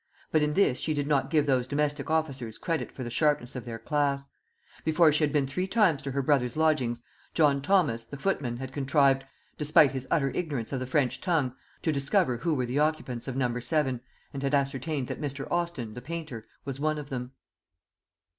But in this she did not give those domestic officers credit for the sharpness of their class. Before she had been three times to her brother's lodgings, John Thomas, the footman, had contrived despite his utter ignorance of the French tongue to discover who were the occupants of No. 7, and had ascertained that Mr. Austin, the painter, was one of them.